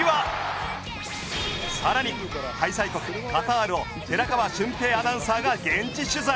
さらに開催国カタールを寺川俊平アナウンサーが現地取材！